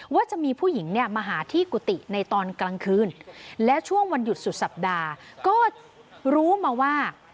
ว่าจะมีผู้หญิงเนี่ยมาหาที่กุฏิในตอนกลางคืนและช่วงวันหยุดสุดสัปดาห์ก็รู้มาว่า